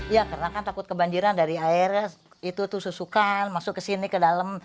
ya karena kan takut kebanjiran dari air itu tuh susukan masuk ke sini ke dalam